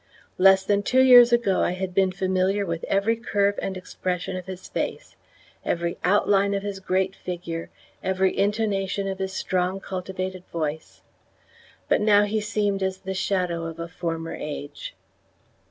Less than two years ago I had been familiar with every curve and expression of his face, every outline of his great figure, every intonation of his strong cultivated voice; but now he seemed as the shadow of a former age.